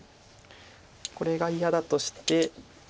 これが嫌だとして。